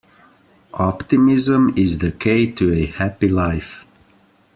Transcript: Optimism is the key to a happy life.